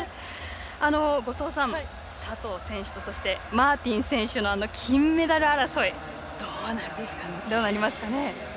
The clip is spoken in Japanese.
後藤さん、佐藤選手とマーティン選手の金メダル争い、どうなりますかね。